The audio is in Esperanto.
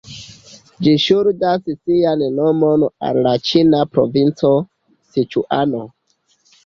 Ĝi ŝuldas sian nomon al la ĉina provinco Siĉuano.